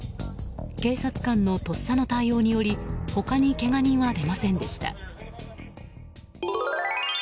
警察官のとっさの対応により他にけが人は出ませんでした。